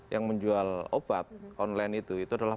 yang menjual obat online itu adalah